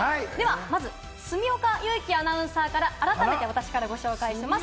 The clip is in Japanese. まず、住岡佑樹アナウンサーから改めて紹介します。